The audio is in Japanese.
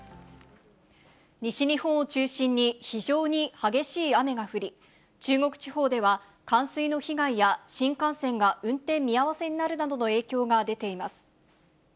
西日本を中心に、非常に激しい雨が降り、中国地方では、冠水の被害や新幹線が運転見合わせになるなどの影響が出ています。